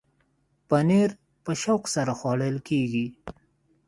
پنېر په شوق سره خوړل کېږي.